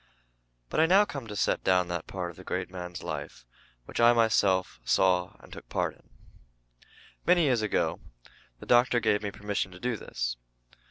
But I now come to set down that part of the great man's life which I myself saw and took part in. Many years ago the Doctor gave me permission to do this.